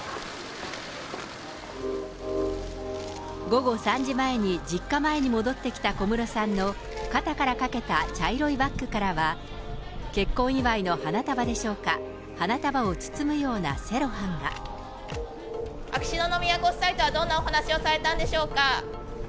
午後３時前に実家前に戻ってきた小室さんの肩から掛けた茶色いバッグからは、結婚祝いの花束でしょうか、秋篠宮ご夫妻とは、どんなお話をされたんでしょうか。